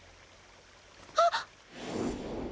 あっ。